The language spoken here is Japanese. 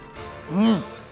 うん！